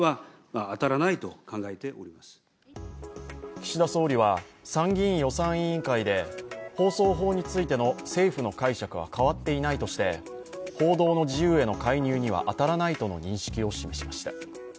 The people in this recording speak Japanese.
岸田総理は、参議院予算委員会で放送法についての政府の解釈は変わっていないとして報道の自由への介入には当たらないとの認識を示しました。